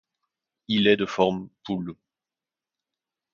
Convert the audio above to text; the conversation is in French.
Il est de forme poule.